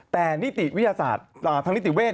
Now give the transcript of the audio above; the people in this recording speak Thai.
แต่นิติวิทยาศาสตร์ทางนิติเวศ